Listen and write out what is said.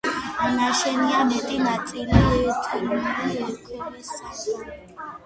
ნაშენია მეტი ნაწილი თლილი ქვისაგან.